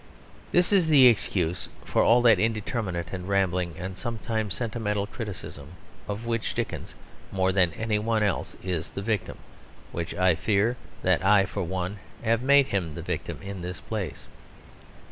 This is the excuse for all that indeterminate and rambling and sometimes sentimental criticism of which Dickens, more than any one else, is the victim, of which I fear that I for one have made him the victim in this place.